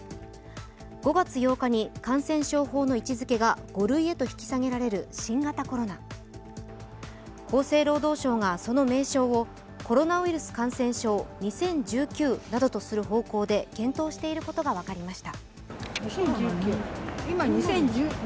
５月８日に感染症法の位置づけが５類へと引き下げられる新型コロナ厚生労働省がその名称をコロナウイルス感染症２０１９などとする方向で検討していることが分かりました。